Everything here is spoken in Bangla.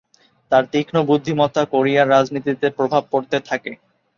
তার তীক্ষ্ণ বুদ্ধিমত্তা কোরিয়ার রাজনীতিতে প্রভাব পড়তে থাকে।